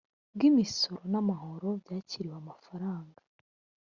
bw imisoro n amahoro byakiriwe amafaranga